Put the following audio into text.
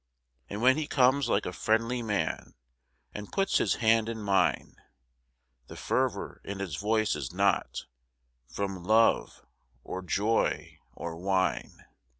And when he comes like a friendly man And puts his hand in mine, The fervour in his voice is not From love or joy or wine.